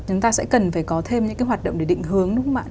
chúng ta sẽ cần phải có thêm những cái hoạt động để định hướng đúng không ạ